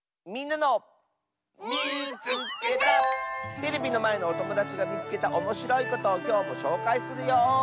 テレビのまえのおともだちがみつけたおもしろいことをきょうもしょうかいするよ！